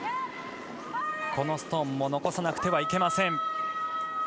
このストーンも残さなくてはいけません。